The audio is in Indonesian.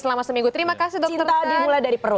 selama seminggu terima kasih dokter